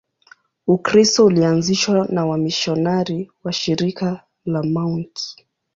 Ukristo ulianzishwa na wamisionari wa Shirika la Mt.